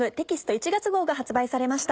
１月号が発売されました。